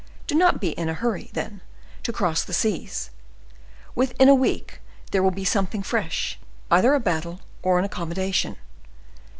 Do not be in a hurry, then, to cross the seas; within a week there will be something fresh, either a battle or an accommodation.